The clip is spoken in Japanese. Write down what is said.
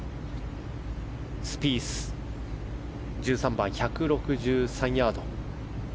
スピース、１３番１６３ヤード。